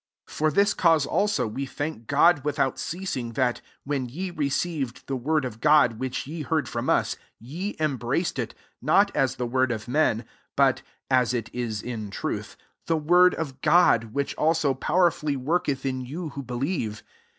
13 For this cause also we :hank God without ceasing, that, when ye received the word of God which ye heard from us, rt embraced //, not as the word )f men, but (as it is in truth) he word of God, which also )owerfully worketh in you who )elieve.